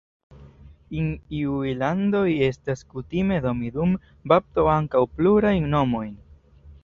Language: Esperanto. En iuj landoj estas kutime doni dum bapto ankaŭ plurajn nomojn.